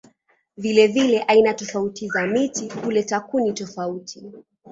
Vilevile aina tofauti za miti huleta kuni tofauti.